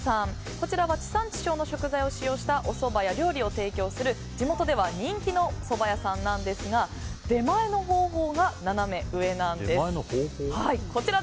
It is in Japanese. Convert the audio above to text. こちらは地産地消の食材を使用したおそばや料理を提供する地元では人気のそば屋さんなんですが出前の方法がナナメ上なんです。